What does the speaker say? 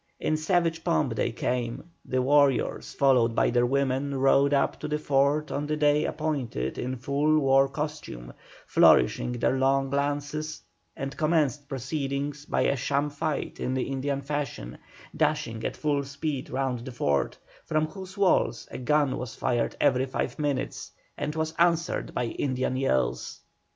In savage pomp they came; the warriors, followed by their women, rode up to the fort on the day appointed in full war costume, flourishing their long lances, and commenced proceedings by a sham fight in the Indian fashion, dashing at full speed round the fort, from whose walls a gun was fired every five minutes and was answered by Indian yells.